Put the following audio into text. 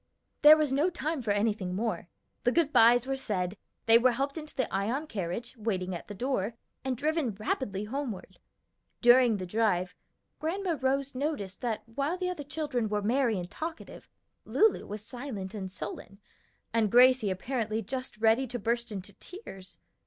There was no time for anything more; the good bys were said, they were helped into the Ion carriage, waiting at the door, and driven rapidly homeward. During the drive Grandma Rose noticed that while the other children were merry and talkative, Lulu was silent and sullen, and Gracie apparently just ready to burst into tears.